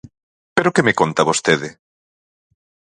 ¿Pero que me conta vostede?